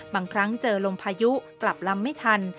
บางครั้งเจอลมพายุกลับลำไม่ทัน